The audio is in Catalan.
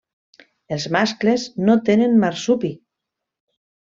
Els mascles no tenen marsupi.